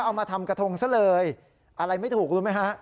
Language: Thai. เอามาทำกระทงซะเลยอะไรไม่ถูกรู้ไหมฮะ